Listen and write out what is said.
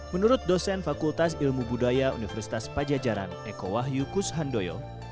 menurut dosen fakultas ilmu budaya universitas pajajaran eko wahyu kushandoyo